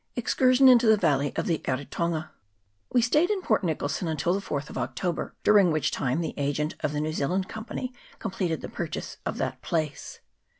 Excursion into the Valley of the Eritonga. WE stayed in Port Nicholson until the 4th of October, during which time the agent of the New Zealand Company completed the purchase of that place.